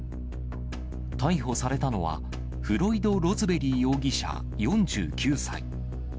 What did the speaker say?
逮捕されたのは、フロイド・ロズベリー容疑者４９歳。